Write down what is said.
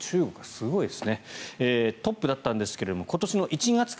すごいです。